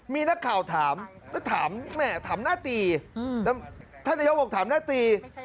มีนักข่าวถามแล้วถามแม่ถามหน้าตีท่านนายกบอกถามหน้าตี